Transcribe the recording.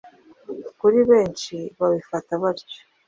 kuri benshi babifata batyo